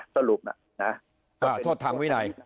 สรุปว่าโทษทางวินัย